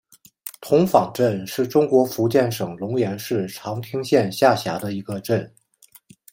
童坊镇是中国福建省龙岩市长汀县下辖的一个镇。